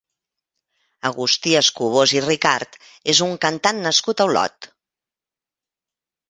Agustí Escubós i Ricart és un cantant nascut a Olot.